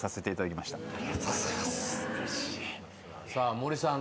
森さん。